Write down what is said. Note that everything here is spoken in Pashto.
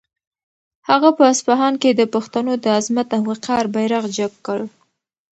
هغه په اصفهان کې د پښتنو د عظمت او وقار بیرغ جګ کړ.